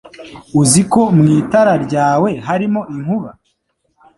Uzi ko mu itara ryawe harimo inkuba